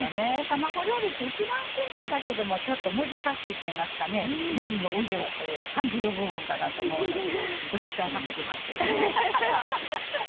卵料理って一番シンプルだけどもちょっと難しいっていいますかね料理の腕を感じる部分かなと思うのでプレッシャー掛けてますけどねハハハ。